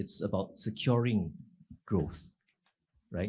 ini tentang menjaga kembang